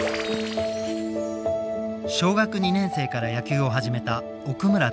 小学２年生から野球を始めた奥村武博さん。